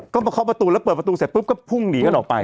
ก็มาเคาะประตูแล้วเปิดประตูเสร็จปุ๊บก็พุ่งหนีกันออกไป